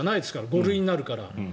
５類になるから。